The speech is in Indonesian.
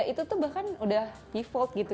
itu tuh bahkan udah evolt gitu